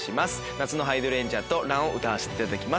『夏のハイドレンジア』と『ＲＵＮ』を歌わせていただきます。